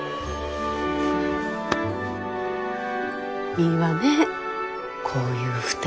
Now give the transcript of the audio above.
いいわねこういう２人。